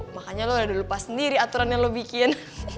makanya lo udah lupa sendiri aturan yang lo bikin